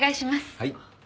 はい。